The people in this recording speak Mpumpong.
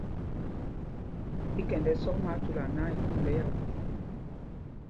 Í kɛnd ɛ́sɔ́k mi Átwôla náǎ, ɛ kûm ɓɛ Yaunde.